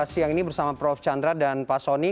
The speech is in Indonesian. siang ini bersama prof chandra dan pak soni